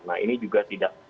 nah ini juga tidak